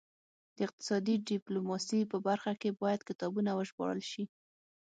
د اقتصادي ډیپلوماسي په برخه کې باید کتابونه وژباړل شي